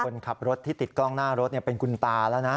คนขับรถที่ติดกล้องหน้ารถเป็นคุณตาแล้วนะ